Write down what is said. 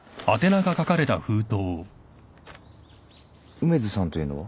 梅津さんというのは？